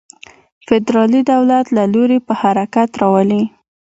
فدرالي دولت له لوري په حرکت راولي.